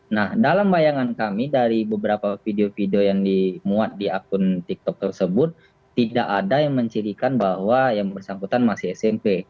nah dalam bayangan kami dari beberapa video video yang dimuat di akun tiktok tersebut tidak ada yang mencirikan bahwa yang bersangkutan masih smp